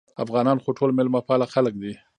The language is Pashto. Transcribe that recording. افغانان خو ټول مېلمه پاله خلک دي